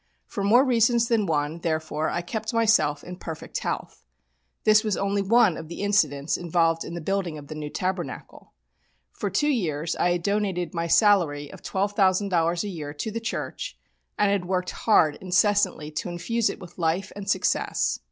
For more reasons than one, therefore, I kept myself in perfect health. This was only one of the incidents involved in the building of the New Tabernacle. For two years I had donated my salary of $12,000 a year to the church, and had worked hard incessantly to infuse it with life and success.